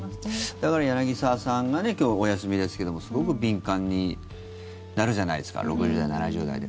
だから柳澤さんが今日お休みですけどすごく敏感になるじゃないですか６０代、７０代で。